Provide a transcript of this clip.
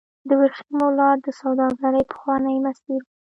د ورېښمو لار د سوداګرۍ پخوانی مسیر و.